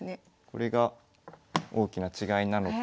これが大きな違いなのと。